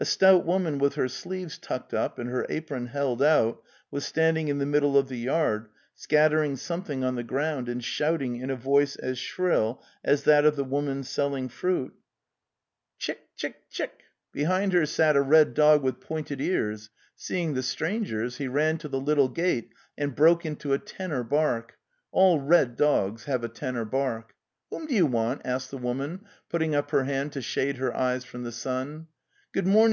A stout woman with her sleeves tucked up and her apron held out was standing in the middle of the yard, scattering something on the ground and shout ing in a voice as shrill as that of the woman selling fruit: 298 The Vales et (Chekhoy, Wie hick ou Chicktiiy2) ssiG@hve kale Behind her sat a red dog with pointed ears. Seeing the strangers, he ran to the little gate and broke into a tenor bark (all red dogs have a tenor bark). 'Whom do you want?" asked the woman, put ting up her hand to shade her eyes from the sun. '"Good morning!"